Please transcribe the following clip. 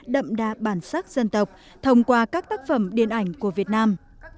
đậm đà bản sắc dân tộc thông qua các tác phẩm điện ảnh của việt nam